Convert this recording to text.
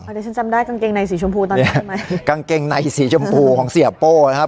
เดี๋ยวฉันจำได้กางเกงในสีชมพูตอนแรกไหมกางเกงในสีชมพูของเสียโป้นะครับ